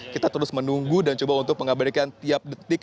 kita terus menunggu dan coba untuk mengabadikan tiap detik